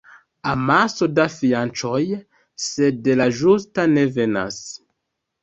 Amaso da fianĉoj, sed la ĝusta ne venas.